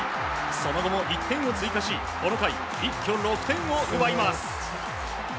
その後も１点を追加しこの回、一挙６点を奪います。